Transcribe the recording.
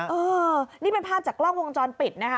เออนี่เป็นภาพจากกล้องวงจรปิดนะคะ